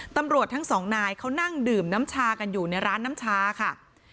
ตำรวจทั้งสองนายเขานั่งดื่มน้ำชากันอยู่ในร้านน้ำชาค่ะ